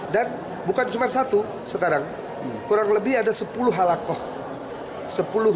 dan bukan cuma satu sekarang kurang lebih ada sepuluh halakoh